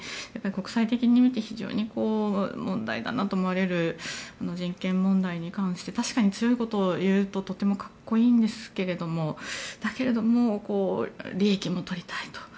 国際的に見て、非常に問題だなと思われる人権問題に関して確かに強いことを言うととても格好いいんですけどだけれども、利益も取りたいと。